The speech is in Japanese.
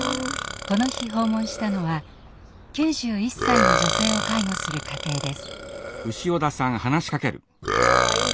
この日訪問したのは９１歳の女性を介護する家庭です。